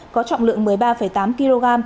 có trọng lượng một mươi ba tám kg